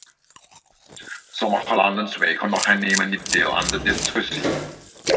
Sommige landen zwijgen nog en nemen niet deel aan de discussie.